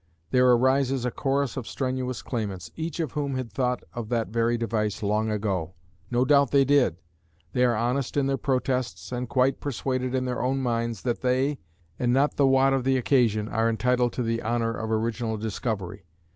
There arises a chorus of strenuous claimants, each of whom had thought of that very device long ago. No doubt they did. They are honest in their protests and quite persuaded in their own minds that they, and not the Watt of the occasion, are entitled to the honor of original discovery.